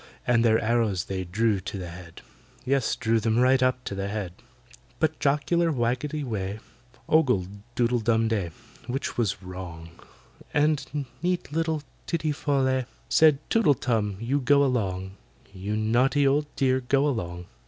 And their arrows they drew to the head— Yes, drew them right up to the head. But jocular WAGGETY WEH Ogled DOODLE DUM DEY (which was wrong), And neat little TITTY FOL LEH Said, "TOOTLE TUM, you go along! You naughty old dear, go along!"